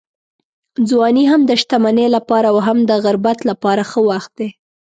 ځواني هم د شتمنۍ لپاره او هم د غربت لپاره ښه وخت دی.